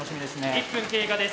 １分経過です。